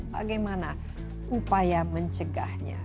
bagaimana upaya mencegahnya